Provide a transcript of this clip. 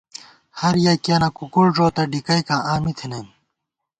ہر یَکِیَنہ کُکُڑ ݫوتہ ، ڈِکَئیکاں آں می تھنَئیم